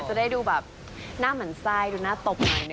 จะได้ดูแบบหน้ามันไส้ดูหน้าตบ